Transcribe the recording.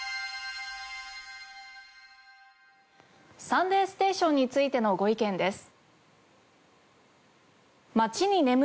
『サンデーステーション』についてのご意見です。